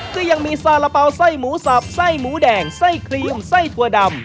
ก็ยังมีซาระเป๋าไส้หมูสับไส้หมูแดงไส้ครีมไส้ถั่วดำ